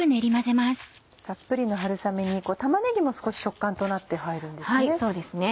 たっぷりの春雨に玉ねぎも少し食感となって入るんですね。